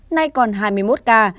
nay còn hai mươi một ca